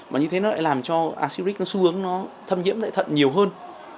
mà như thế lại làm cho axiric xu hướng thâm nhiễm lại thật nhiều hơn